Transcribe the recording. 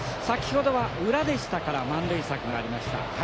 先ほどは裏でしたから満塁策がありました。